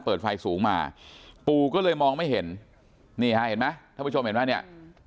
เปิดไฟสูงมาปู่ก็เลยมองไม่เห็นนี่ฮะเห็นไหมท่านผู้ชมเห็นไหมเนี่ย